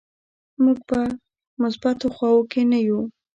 موږ په مثبتو خواو کې نه یو.